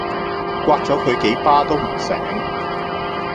摑左佢幾巴都唔醒